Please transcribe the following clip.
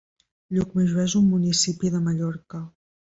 Llucmajor és un municipi de Mallorca.